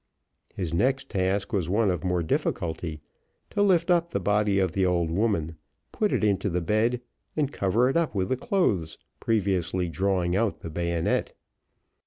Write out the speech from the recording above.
His next task was one of more difficulty, to lift up the body of the old woman, put it into the bed, and cover it up with the clothes, previously drawing out the bayonet.